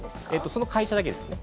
◆その会社だけですね。